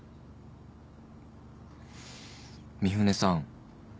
三船さん